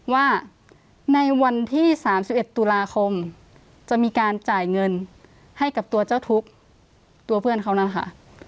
ว่าในวันที่๓๑ตุลาคมจะมีการจ่ายเงินให้กับตัวเจ้าทุกข์ตัวเพื่อนเขานะคะ